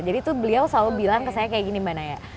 jadi itu beliau selalu bilang ke saya kayak gini mbak naya